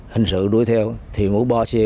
hành sự đuối theo thì muốn bỏ xe